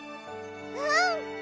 うん！